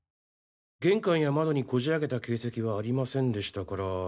玄関や窓にこじあけた形跡はありませんでしたから。